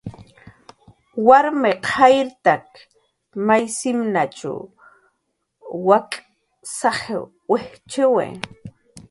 Warmiq jayrtak my simnach wak' saj wijchiwi.